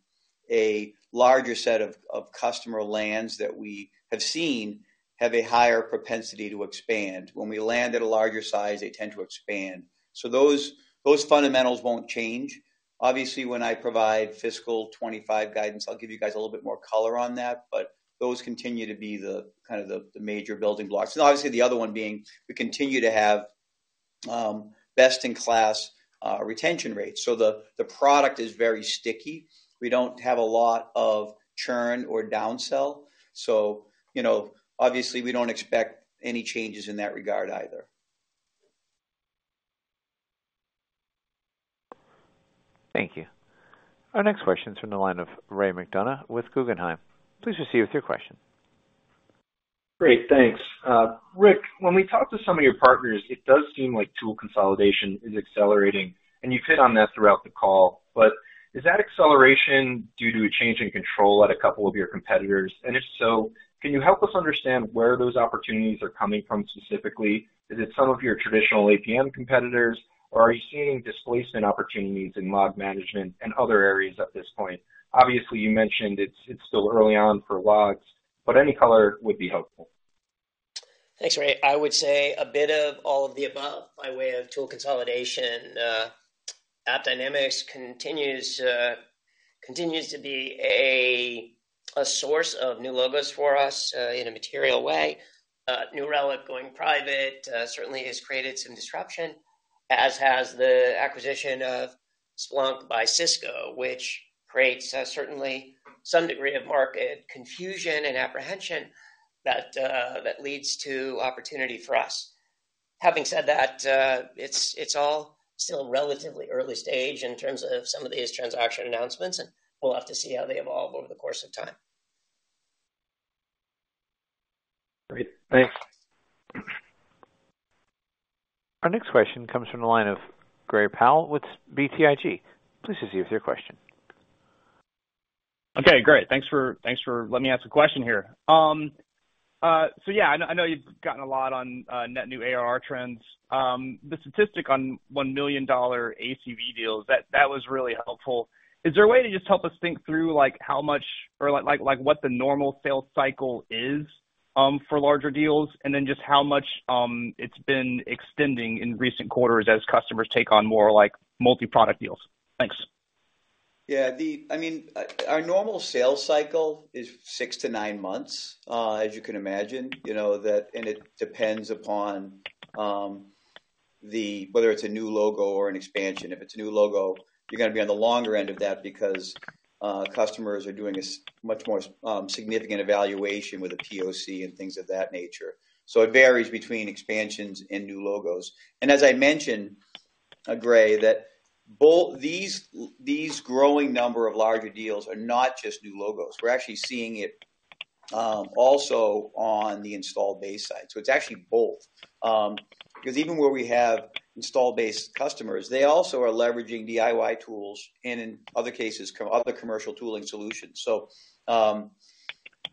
a larger set of customer lands that we have seen have a higher propensity to expand. When we land at a larger size, they tend to expand. So those, those fundamentals won't change. Obviously, when I provide fiscal 25 guidance, I'll give you guys a little bit more color on that, but those continue to be the, kind of the, the major building blocks. And obviously, the other one being, we continue to have best-in-class retention rates. So the, the product is very sticky. We don't have a lot of churn or downsell, so, you know, obviously, we don't expect any changes in that regard either. Thank you. Our next question is from the line of Ray McDonough with Guggenheim. Please proceed with your question. Great, thanks. Rick, when we talk to some of your partners, it does seem like tool consolidation is accelerating, and you've hit on that throughout the call, but is that acceleration due to a change in control at a couple of your competitors? And if so, can you help us understand where those opportunities are coming from specifically? Is it some of your traditional APM competitors, or are you seeing displacement opportunities in log management and other areas at this point? Obviously, you mentioned it's still early on for logs, but any color would be helpful. Thanks, Ray. I would say a bit of all of the above, by way of tool consolidation. AppDynamics continues to be a source of new logos for us in a material way. New Relic going private certainly has created some disruption, as has the acquisition of Splunk by Cisco, which creates certainly some degree of market confusion and apprehension that leads to opportunity for us. Having said that, it's all still relatively early stage in terms of some of these transaction announcements, and we'll have to see how they evolve over the course of time. Great. Thanks. Our next question comes from the line of Gray Powell with BTIG. Please proceed with your question. Okay, great. Thanks for, thanks for letting me ask a question here. So yeah, I, I know you've gotten a lot on, net new ARR trends. The statistic on $1 million ACV deals, that, that was really helpful. Is there a way to just help us think through, like, how much or like, like, like what the normal sales cycle is, for larger deals, and then just how much, it's been extending in recent quarters as customers take on more, like, multi-product deals? Thanks. Yeah, I mean, our normal sales cycle is six to nine months, as you can imagine. You know, and it depends upon whether it's a new logo or an expansion. If it's a new logo, you're gonna be on the longer end of that because customers are doing much more significant evaluation with a POC and things of that nature. So it varies between expansions and new logos. And as I mentioned, Gray, these growing number of larger deals are not just new logos. We're actually seeing it also on the installed base side, so it's actually both. 'Cause even where we have installed base customers, they also are leveraging DIY tools and in other cases, other commercial tooling solutions. So,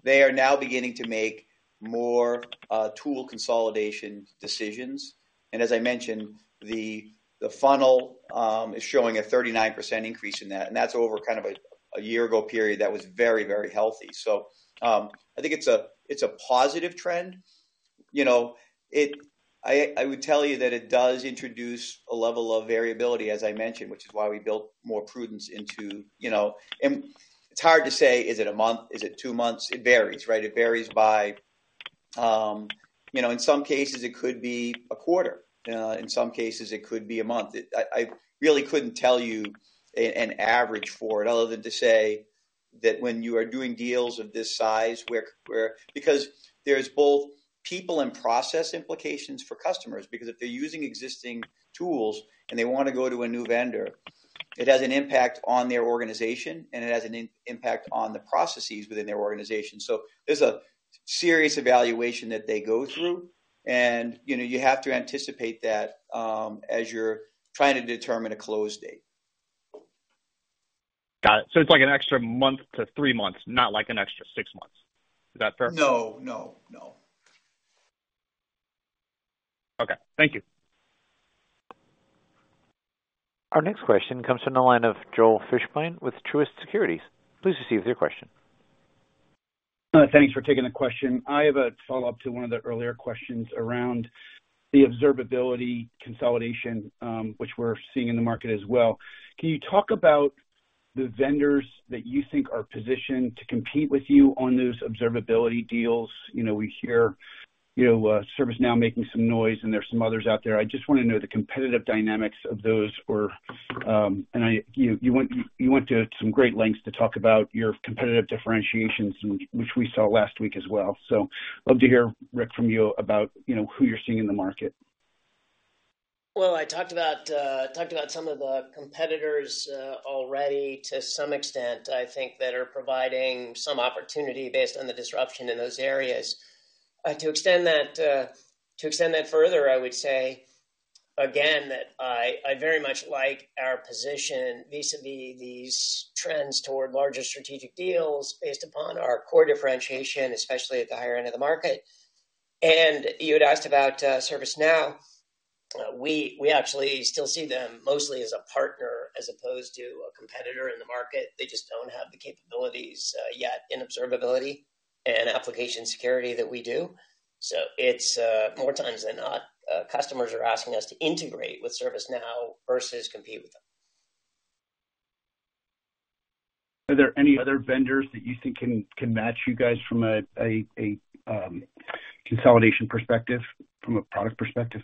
they are now beginning to make more tool consolidation decisions. And as I mentioned, the funnel is showing a 39% increase in that, and that's over kind of a year-ago period. That was very, very healthy. So, I think it's a positive trend. You know, it... I would tell you that it does introduce a level of variability, as I mentioned, which is why we built more prudence into, you know... And it's hard to say, is it a month, is it two months? It varies, right? It varies by, you know, in some cases it could be a quarter, in some cases it could be a month. I really couldn't tell you an average for it, other than to say that when you are doing deals of this size, where because there's both people and process implications for customers, because if they're using existing tools and they want to go to a new vendor, it has an impact on their organization, and it has an impact on the processes within their organization. So there's a serious evaluation that they go through, and, you know, you have to anticipate that, as you're trying to determine a close date. Got it. So it's like an extra one monthto three months, not like an extra six months. Is that fair? No, no, no. Okay, thank you. Our next question comes from the line of Joel Fishbein with Truist Securities. Please proceed with your question. Thanks for taking the question. I have a follow-up to one of the earlier questions around the observability consolidation, which we're seeing in the market as well. Can you talk about the vendors that you think are positioned to compete with you on those observability deals? You know, we hear, you know, ServiceNow making some noise, and there are some others out there. I just want to know the competitive dynamics of those or, and you went to some great lengths to talk about your competitive differentiations, which we saw last week as well. So love to hear, Rick, from you about, you know, who you're seeing in the market. Well, I talked about, talked about some of the competitors, already, to some extent, I think that are providing some opportunity based on the disruption in those areas. To extend that, to extend that further, I would say, again, that I, I very much like our position vis-à-vis these trends toward larger strategic deals based upon our core differentiation, especially at the higher end of the market. And you had asked about ServiceNow. We, we actually still see them mostly as a partner as opposed to a competitor in the market. They just don't have the capabilities, yet in observability and application security that we do. So it's, more times than not, customers are asking us to integrate with ServiceNow versus compete with them.... Are there any other vendors that you think can match you guys from a consolidation perspective, from a product perspective?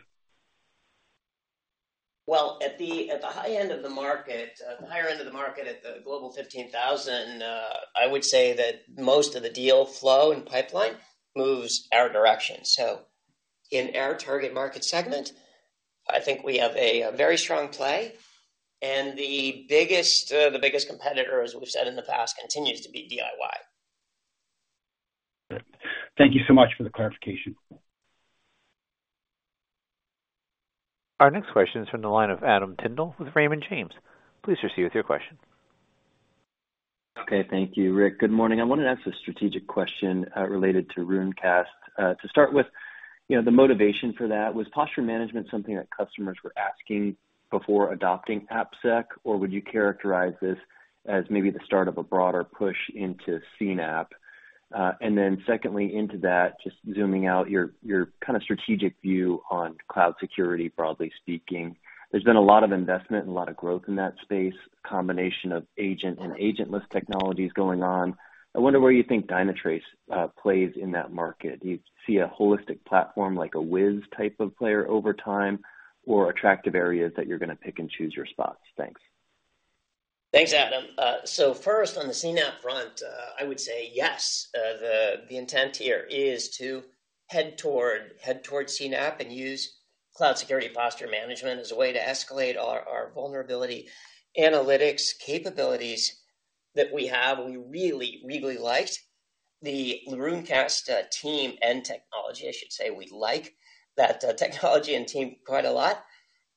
Well, at the high end of the market, the higher end of the market, at the Global 15,000, I would say that most of the deal flow and pipeline moves our direction. So in our target market segment, I think we have a very strong play, and the biggest competitor, as we've said in the past, continues to be DIY. Thank you so much for the clarification. Our next question is from the line of Adam Tindle with Raymond James. Please proceed with your question. Okay. Thank you, Rick. Good morning. I wanted to ask a strategic question related to Runecast. To start with, you know, the motivation for that, was posture management something that customers were asking before adopting AppSec? Or would you characterize this as maybe the start of a broader push into CNAPP? And then secondly, into that, just zooming out your, your kind of strategic view on cloud security broadly speaking. There's been a lot of investment and a lot of growth in that space, combination of agent and agentless technologies going on. I wonder where you think Dynatrace plays in that market. Do you see a holistic platform like a Wiz type of player over time, or attractive areas that you're gonna pick and choose your spots? Thanks. Thanks, Adam. So first, on the CNAPP front, I would say yes. The intent here is to head towards CNAPP and use cloud security posture management as a way to escalate our vulnerability analytics capabilities that we have. We really, really liked the Runecast team and technology. I should say we like that technology and team quite a lot.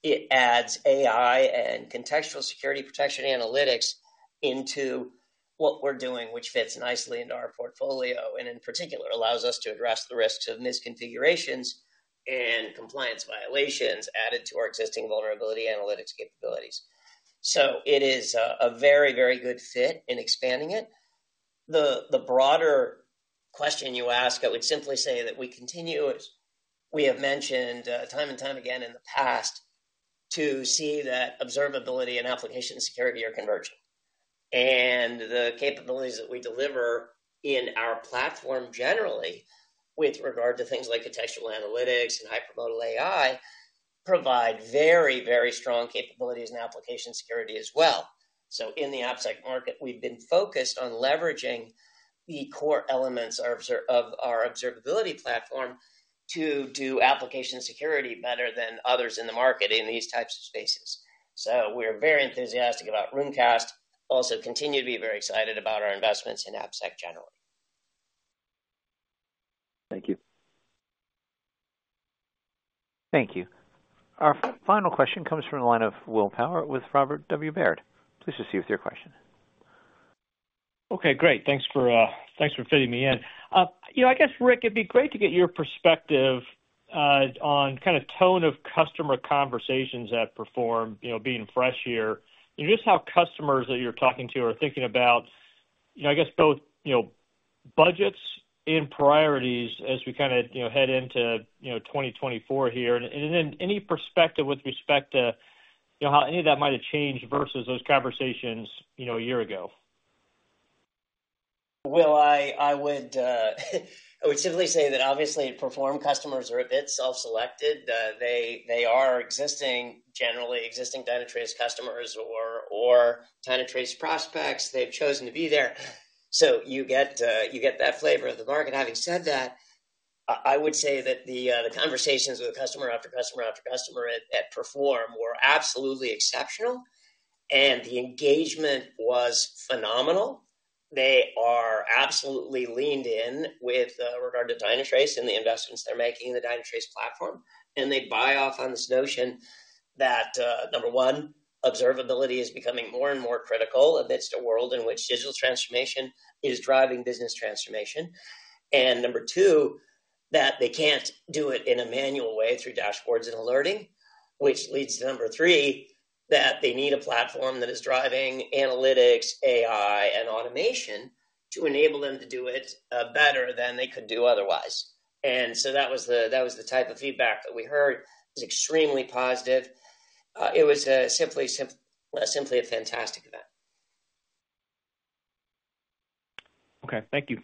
It adds AI and contextual security protection analytics into what we're doing, which fits nicely into our portfolio, and in particular, allows us to address the risks of misconfigurations and compliance violations added to our existing vulnerability analytics capabilities. So it is a very, very good fit in expanding it. The broader question you ask, I would simply say that we continue, as we have mentioned, time and time again in the past, to see that observability and application security are converging. And the capabilities that we deliver in our platform, generally, with regard to things like contextual analytics and Hypermodal AI, provide very, very strong capabilities in application security as well. So in the AppSec market, we've been focused on leveraging the core elements of our observability platform to do application security better than others in the market in these types of spaces. So we're very enthusiastic about Runecast. Also continue to be very excited about our investments in AppSec generally. Thank you. Thank you. Our final question comes from the line of Will Power with Robert W. Baird. Please proceed with your question. Okay, great. Thanks for, thanks for fitting me in. You know, I guess, Rick, it'd be great to get your perspective on kind of tone of customer conversations at Perform, you know, being fresh here, and just how customers that you're talking to are thinking about, you know, I guess both, you know, budgets and priorities as we kind of, you know, head into, you know, 2024 here. And then any perspective with respect to, you know, how any of that might have changed versus those conversations, you know, a year ago? Will, I would simply say that obviously Perform customers are a bit self-selected. They are existing, generally existing Dynatrace customers or Dynatrace prospects. They've chosen to be there. So you get that flavor of the market. Having said that, I would say that the conversations with customer after customer after customer at Perform were absolutely exceptional, and the engagement was phenomenal. They are absolutely leaned in with regard to Dynatrace and the investments they're making in the Dynatrace platform. And they buy off on this notion that number one, observability is becoming more and more critical amidst a world in which digital transformation is driving business transformation. And number two, that they can't do it in a manual way through dashboards and alerting, which leads to number three, that they need a platform that is driving analytics, AI, and automation to enable them to do it better than they could do otherwise. And so that was the type of feedback that we heard. It was extremely positive. It was simply a fantastic event. Okay. Thank you.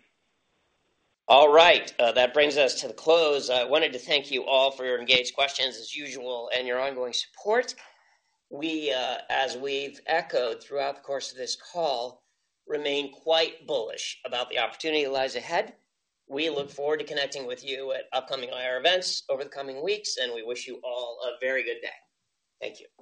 All right, that brings us to the close. I wanted to thank you all for your engaged questions as usual, and your ongoing support. We, as we've echoed throughout the course of this call, remain quite bullish about the opportunity that lies ahead. We look forward to connecting with you at upcoming IR events over the coming weeks, and we wish you all a very good day. Thank you.